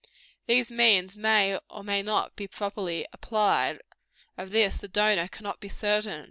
These means may or may not be properly applied; of this the donor cannot be certain.